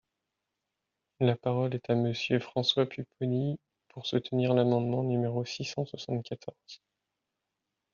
La parole est à Monsieur François Pupponi, pour soutenir l’amendement numéro six cent soixante-quatorze.